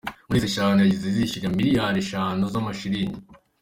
Muri zo eshanu zahise zishyura miliyari eshanu z’amashilingi.